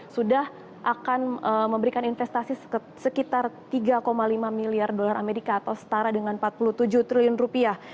sudah akan memberikan investasi sekitar tiga lima miliar dolar amerika atau setara dengan empat puluh tujuh triliun rupiah